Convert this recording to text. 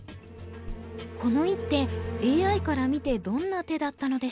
この一手ＡＩから見てどんな手だったのでしょうか？